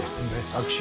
握手。